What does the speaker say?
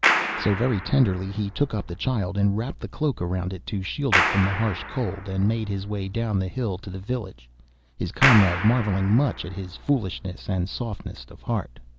So very tenderly he took up the child, and wrapped the cloak around it to shield it from the harsh cold, and made his way down the hill to the village, his comrade marvelling much at his foolishness and softness of heart.